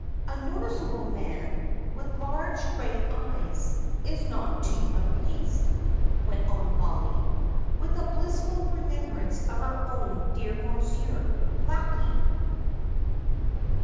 'A noticeable man, with large grey eyes,' is not to my taste," went on Mollie, with a blissful remembrance of her own dear Monsieur Blackie.